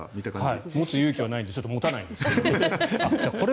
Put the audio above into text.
持つ勇気はないので持たないんですけど。